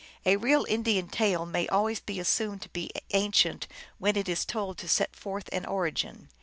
A real Indian tale may always be assumed to be ancient when it is told to set forth an origin.